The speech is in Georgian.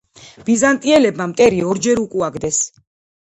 ბიზანტიელებმა მტერი ორჯერ უკუაგდეს.